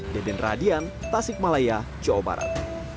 deden radian tasik malaya jawa barat